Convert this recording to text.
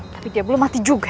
tapi dia belum mati juga